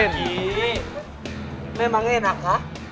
udah lah ki memang enak ah